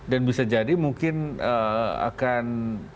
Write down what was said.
dan bisa jadi pak prabowo tidak mengalami perbaikan elektoral